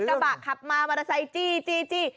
กระบะขับมามอเตอร์ไซค์จี้